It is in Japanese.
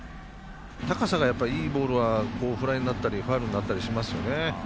高さが、いいボールはフライになったりファウルになったりしますよね。